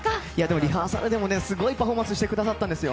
リハーサルでもすごいパフォーマンスしてくださったんですよ